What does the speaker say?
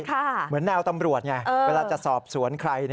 เหมือนแนวตำรวจไงเวลาจะสอบสวนใคร